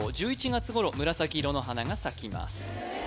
１１月頃紫色の花が咲きます